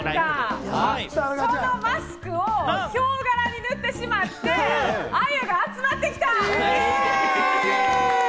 そのマスクをヒョウ柄にしてしまって、アユが集まってきた。